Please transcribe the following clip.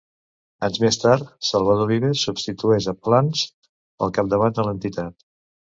Anys més tard, Salvador Vives substitueix a Plans al capdavant de l'entitat.